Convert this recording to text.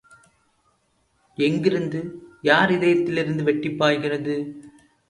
எங்கிருந்து, யார் இதயத்திலிருந்து வெட்டிப் பாய்கிறது...?